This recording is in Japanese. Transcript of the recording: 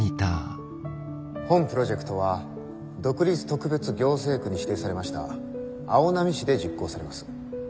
本プロジェクトは独立特別行政区に指定されました青波市で実行されます。